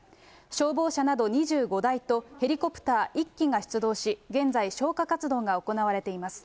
消防車など２５台とヘリコプター１機が出動し、現在、消火活動が行われています。